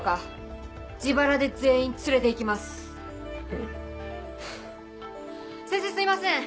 フゥ先生すいません！